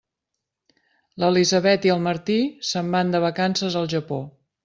L'Elisabet i el Martí se'n van de vacances al Japó.